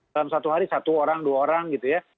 dalam satu hari satu orang dua orang gitu ya